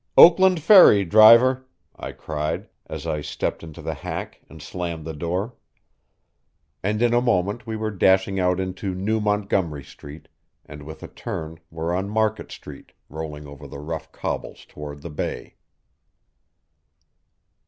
"Oakland Ferry, driver," I cried, as I stepped into the hack and slammed the door. And in a moment we were dashing out into New Montgomery Street, and with a turn were on Market Street, rolling over the rough cobbles toward the bay.